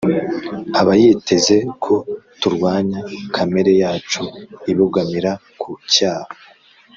aba yiteze ko turwanya kamere yacu ibogamira ku cyaha